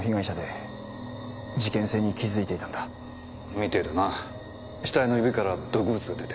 みてえだな死体の指から毒物が出て。